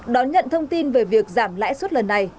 đón nhận thông tin về việc giảm lãi suất lần này